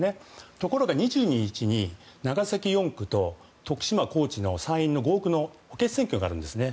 ところが２２日に長崎４区と徳島・高知の合区の補欠選挙があるんですよね。